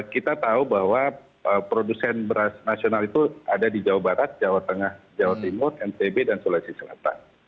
kita tahu bahwa produsen beras nasional itu ada di jawa barat jawa tengah jawa timur ntb dan sulawesi selatan